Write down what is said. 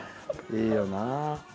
いいよなあ。